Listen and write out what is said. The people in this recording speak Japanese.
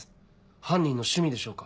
犯人の趣味でしょうか。